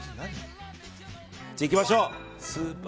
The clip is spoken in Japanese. じゃあ、いきましょう。